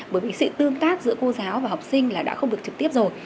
bởi vì sự tương tác giữa cô giáo và học sinh là đã không được trực tiếp rồi